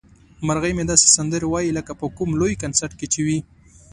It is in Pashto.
مرغۍ مې داسې سندرې وايي لکه په کوم لوی کنسرت کې چې وي.